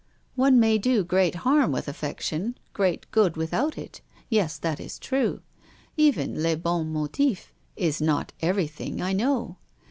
" One may do great harm with affection ; great good without it. Yes, that is true. Even le bon motif \s not everything, I know.